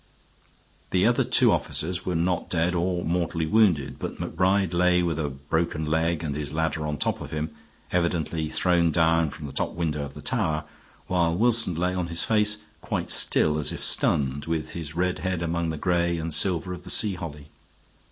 The other two officers were not dead or mortally wounded, but Macbride lay with a broken leg and his ladder on top of him, evidently thrown down from the top window of the tower; while Wilson lay on his face, quite still as if stunned, with his red head among the gray and silver of the sea holly.